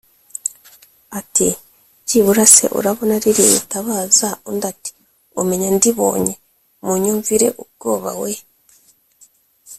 ati byibura se urabona ririya tabaza undi ati : umenya ndibonye ( Munyumvire ubwoba weee)